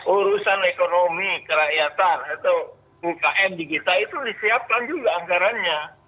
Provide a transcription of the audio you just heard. urusan ekonomi kerakyatan atau ukm digital itu disiapkan juga anggarannya